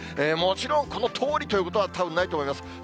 もちろん、このとおりということはたぶんないと思います。